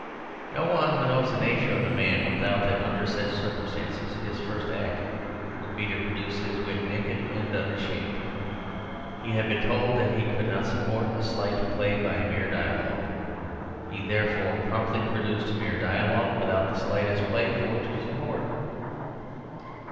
No one who knows the nature of the man will doubt that under such circumstances his first act would be to produce his wit naked and unashamed. He had been told that he could not support a slight play by mere dialogue. He therefore promptly produced mere dialogue without the slightest play for it to support.